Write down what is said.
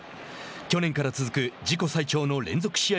去年から続く自己最長の連続試合